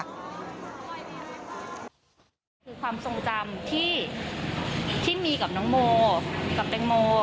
คือความทรงจำที่มีกับน้องโมกับแตงโม